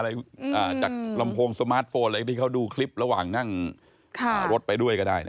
จากลำโพงสมาร์ทโฟนอะไรที่เขาดูคลิประหว่างนั่งรถไปด้วยก็ได้นะ